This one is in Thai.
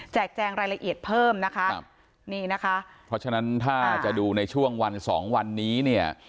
แจงรายละเอียดเพิ่มนะคะครับนี่นะคะเพราะฉะนั้นถ้าจะดูในช่วงวันสองวันนี้เนี่ย